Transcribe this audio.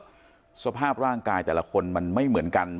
สภาพร่างกายแต่ละคนมันไม่เหมือนกัน